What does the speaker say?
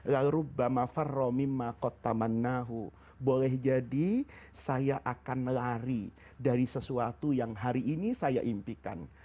lalu saya akan lari dari sesuatu yang hari ini saya impikan